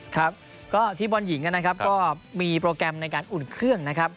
ครับก็ทีมบนหยิงก็มีโปรแกรมในการอุ่นเครื่อง